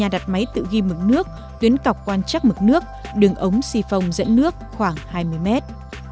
đặt máy tự ghi mực nước tuyến cọc quan trắc mực nước đường ống si phong dẫn nước khoảng hai mươi mét